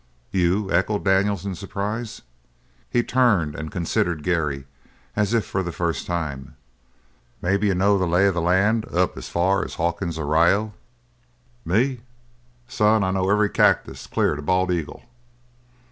"You?" echoed Daniels in surprise. He turned and considered Gary as if for the first time. "Maybe you know the lay of the land up as far as Hawkin's Arroyo?" "Me? Son, I know every cactus clear to Bald Eagle."